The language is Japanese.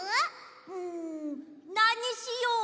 うんなにしよう？